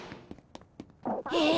え